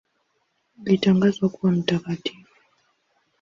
Alitangazwa kuwa mtakatifu.